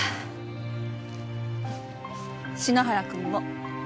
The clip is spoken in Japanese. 篠原くんも。